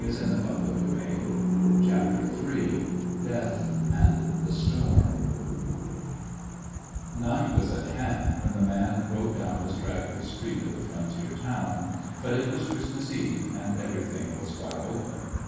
The West Was Young i») Ill DEATH AND THE STORM NIGHT was at hand when the man rode down the straggly street of the frontier town, but it was Christmas Eve and everjrthing was wide open.